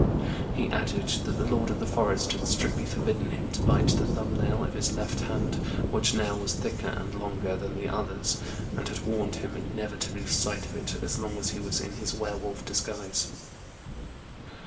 He added that the Lord of the Forest had strictly forbidden him to bite the thumb nail of his left hand, which nail was thicker and longer than the others, and had warned him never to lose sight of it, as long as he was in his were wolf disguise.